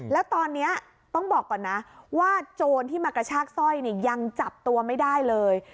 แล้วตอนนี้ต้องบอกก่อนนะว่าโจรที่มากระชากสร้อยเนี่ยยังจับตัวไม่ได้เลย